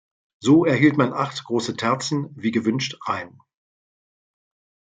So erhielt man acht große Terzen wie gewünscht rein.